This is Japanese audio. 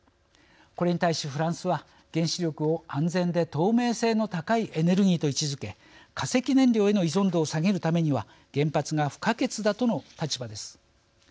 これに対しフランスは原子力を安全で透明性の高いエネルギーと位置づけ化石燃料への依存度を下げるためには原発が不可欠だとの立場です。